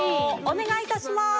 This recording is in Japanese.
お願いいたします！